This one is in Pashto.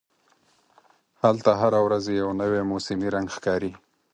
هلته هره ورځ یو نوی موسمي رنګ ښکاري.